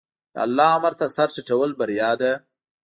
د الله امر ته سر ټیټول بریا ده.